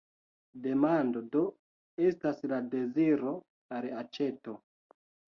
Demando, do, estas la deziro al aĉeto.